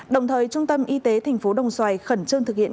đồng thời trung tâm y tế thành phố đồng xoài khẩn trương thực hiện